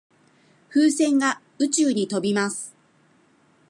風船で宇宙に飛びます。